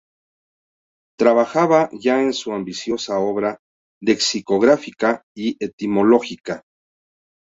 Trabajaba ya en su ambiciosa obra lexicográfica y etimológica.